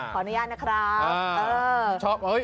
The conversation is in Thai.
ขออนุญาตนะครับ